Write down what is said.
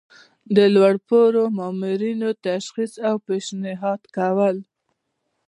د لوړ پوړو مامورینو تشخیص او پیشنهاد کول.